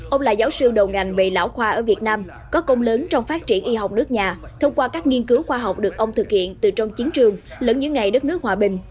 ông là giáo sư đầu ngành mệnh lão khoa ở việt nam có công lớn trong phát triển y học nước nhà thông qua các nghiên cứu khoa học được ông thực hiện từ trong chiến trường lẫn những ngày đất nước hòa bình